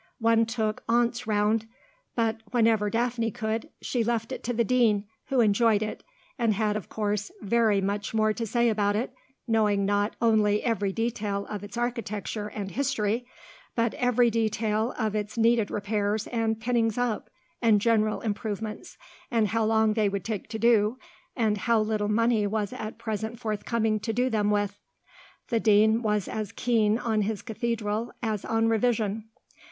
One took aunts round.... But whenever Daphne could, she left it to the Dean, who enjoyed it, and had, of course, very much more to say about it, knowing not only every detail of its architecture and history, but every detail of its needed repairs and pinnings up, and general improvements, and how long they would take to do, and how little money was at present forthcoming to do them with. The Dean was as keen on his Cathedral as on revision.